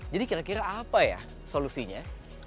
jadi kira kira apa ya solusinya